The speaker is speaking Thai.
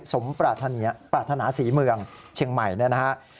สมปรารถนาศรีเมืองเชียงใหม่นะครับ